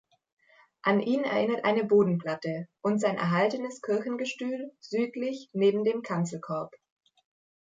An ihn erinnert eine Bodenplatte und sein erhaltenes Kirchengestühl südlich neben dem Kanzelkorb.